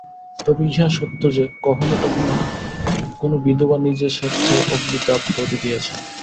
তবে ইহা সত্য যে, কখনও কখনও কোন বিধবা নিজে স্বেচ্ছায় অগ্নিতে আত্মাহুতি দিয়াছেন।